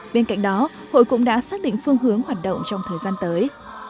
bên cạnh đó hội cũng đã xác định phương hướng hoạt động trong thời gian tới